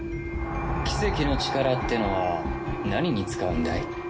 奇跡の力ってのは何に使うんだい？